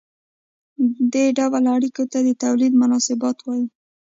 دې ډول اړیکو ته د تولید مناسبات وايي.